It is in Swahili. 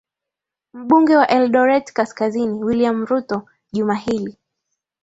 mbunge wa eldoret kaskazini wiliam ruto juma hili